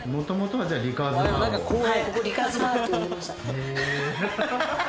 はい、ここリカーズバーって呼んでました。